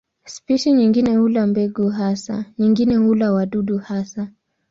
Spishi nyingine hula mbegu hasa, nyingine hula wadudu hasa.